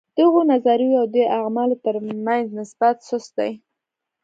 د هغو نظریو او دې اعمالو ترمنځ نسبت سست دی.